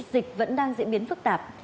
dịch vẫn đang diễn biến phức tạp